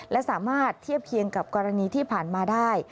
และสามารถเทียบเคียงกับกรณีที่ผ่านมาได้